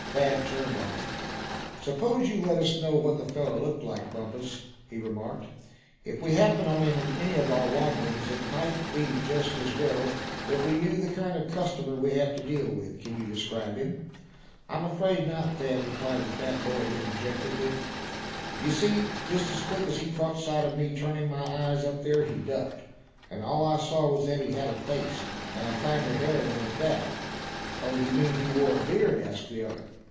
Thad turned on him. "Suppose you let us know what the fellow looked like, Bumpus?" he remarked. "If we happen on him in any of our wanderings, it might be just as well that we knew the kind of customer we have to deal with. Can you describe him?" "I'm afraid not, Thad," replied the fat boy, a little dejectedly. "You see, just as quick as he caught sight of me turning my eyes up there, he ducked. And all I saw was that he had a face, and a kinder hairy one at that." "Oh! you mean he wore a beard?" asked the other.